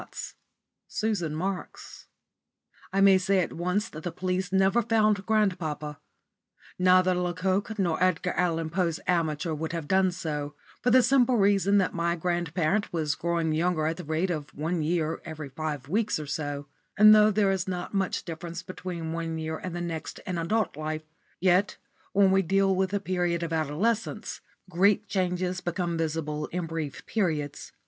* *SUSAN MARKS.* I may say at once that the police never found grandpapa. Neither Le Coq nor Edgar Allen Poe's amateur would have done so, for the simple reason that my grandparent was growing younger at the rate of one year every five weeks or so; and though there is not much difference between one year and the next in adult life, yet when we deal with the period of adolescence, great changes become visible in brief periods.